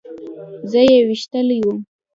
زه يې ويشتلى وم.